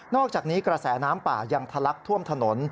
อกจากนี้กระแสน้ำป่ายังทะลักท่วมถนน